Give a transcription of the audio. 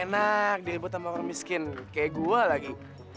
emang enak diribut sama orang miskin kayak gua lagi